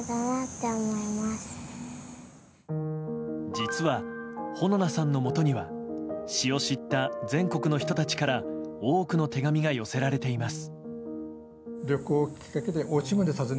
実は穂菜さんのもとには詩を知った全国の人たちから多くの手紙が寄せられています。